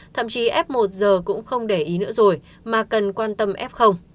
thậm chí f một giờ cũng không để ý nữa rồi mà cần quan tâm f